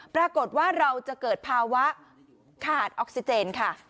ปรากฏว่าเราจะเกิดภาวะขาดออกซิเจนค่ะ